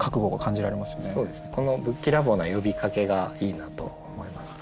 そうですねこのぶっきらぼうな呼びかけがいいなと思いますね。